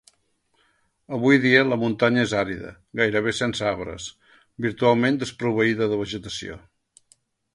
Avui dia la muntanya és àrida, gairebé sense arbres, virtualment desproveïda de vegetació.